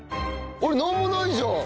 なんもないじゃん。